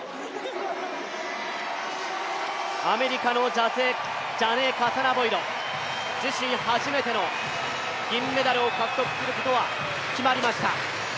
アメリカのジャネー・カサナボイド、自身初めての銀メダルを獲得することは決まりました。